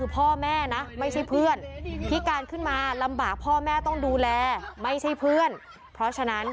พ่อแม่นะไม่ใช่เพื่อนพิการขึ้นมาลำบากพ่อแม่ต้องดูแลไม่ใช่เพื่อนเพราะฉะนั้น